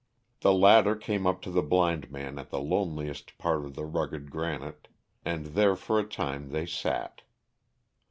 The latter came up to the blind man at the loneliest part of the rugged granite, and there for a time they sat.